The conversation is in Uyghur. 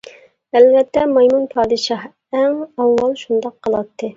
ئەلۋەتتە مايمۇن پادىشاھ ئەڭ ئاۋۋال شۇنداق قىلاتتى.